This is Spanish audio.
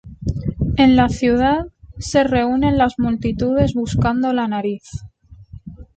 En la ciudad, se reúnen las multitudes buscando la nariz.